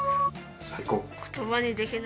最高？